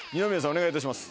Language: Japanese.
お願いいたします。